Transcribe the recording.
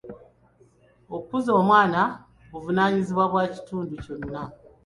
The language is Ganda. Okukuza omwana buvunaanyizibwa bwa kitundu kyonna.